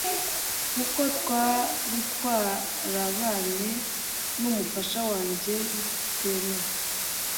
Kuko twaritwarabanye n’umufasha wanjye bitemewe